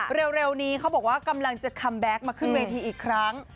เร็วนี้เขาบอกว่ากำลังจะคัมแบ็คมาขึ้นเวทีอีกครั้ง